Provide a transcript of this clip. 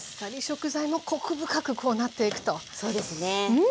うん！